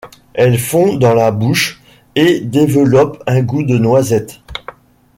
Elle fond dans la bouche, et développe un goût de noisette.